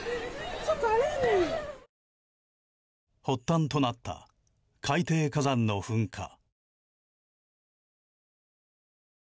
発端となった海底火山の噴火。